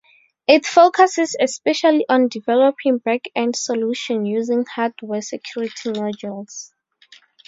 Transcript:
It focuses especially on developing back-end solutions using hardware security modules.